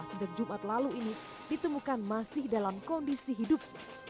sejak jumat lalu ini ditemukan masih dalam kondisi hidup